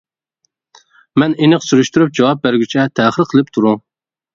مەن ئېنىق سۈرۈشتۈرۈپ جاۋاب بەرگۈچە تەخىر قىلىپ تۇرۇڭ.